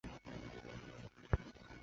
专辑中也收录了几首韩版歌曲。